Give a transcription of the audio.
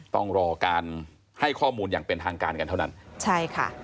ต้องรอการให้ข้อมูลอย่างเป็นทางการกันเท่านั้นใช่ค่ะ